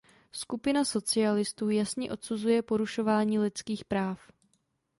Skupina socialistů jasně odsuzuje porušování lidských práv.